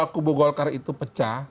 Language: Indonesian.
kubu golkar itu pecah